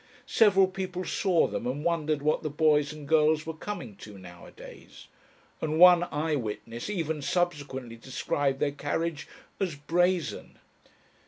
Several people saw them and wondered what the boys and girls were coming to nowadays, and one eye witness even subsequently described their carriage as "brazen."